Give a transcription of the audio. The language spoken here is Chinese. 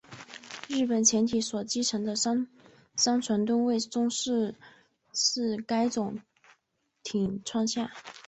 日本潜艇所击沉的商船吨位中四成是该种艇创下。